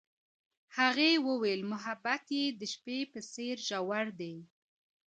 هغې وویل محبت یې د شپه په څېر ژور دی.